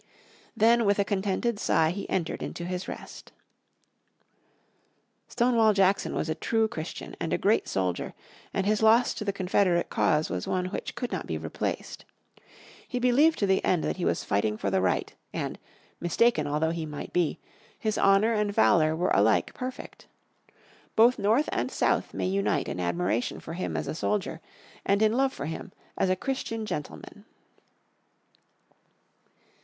Then with a contented sight he entered into his rest. Stonewall Jackson was a true Christian and a great soldier, and his loss to the Confederate cause was one which could not be replaced. He believed to the end that he was fighting for the right, and, mistaken although he might be, his honour and valour were alike perfect. Both North and South may unite in admiration for him as a soldier, and in love for him as a Christian gentleman.